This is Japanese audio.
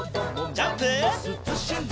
ジャンプ！